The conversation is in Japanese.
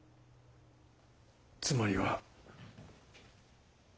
つまりは。